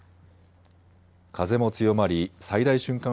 風も強まり最大瞬間